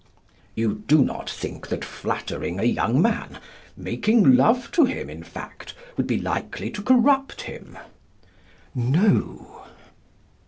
You do not think that flattering a young man, making love to him, in fact, would be likely to corrupt him? No.